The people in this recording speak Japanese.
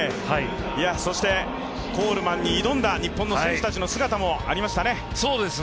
そして、コールマンに挑んだ日本の選手たちの姿もありましたね。